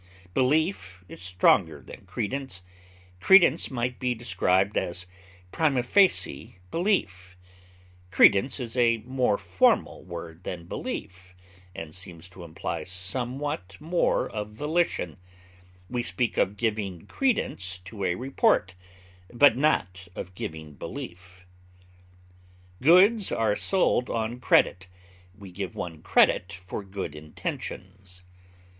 Belief is stronger than credence; credence might be described as a prima facie belief; credence is a more formal word than belief, and seems to imply somewhat more of volition; we speak of giving credence to a report, but not of giving belief. Goods are sold on credit; we give one credit for good intentions.